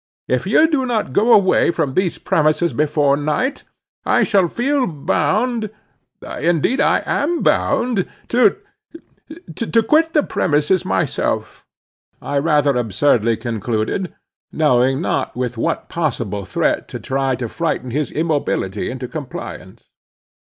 "If you do not go away from these premises before night, I shall feel bound—indeed I am bound—to—to—to quit the premises myself!" I rather absurdly concluded, knowing not with what possible threat to try to frighten his immobility into compliance.